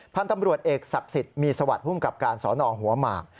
พันธุ์ตำรวจเอกศักดิ์สิทธิ์มีสวัสดิภูมิกับการสอนอหัวหมาก